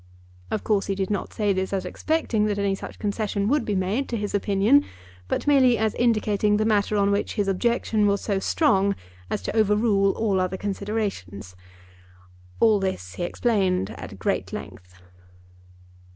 Of course he did not say this as expecting that any such concession would be made to his opinion, but merely as indicating the matter on which his objection was so strong as to over rule all other considerations. All this he explained at great length.